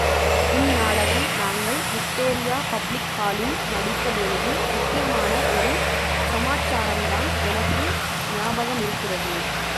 இந் நாடகம் நாங்கள் விக்டோரியா பப்ளிக் ஹாலில் நடித்த பொழுது, முக்கியமான ஒரு சமாச்சாரம்தான் எனக்கு ஞாபகமிருக்கிறது.